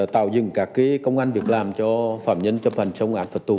tạo dựng các công an việc làm cho phạm nhân trong phần sông án phật tù